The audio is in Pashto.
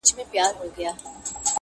خرامانه په سالو کي ګرځېدي مین دي کړمه-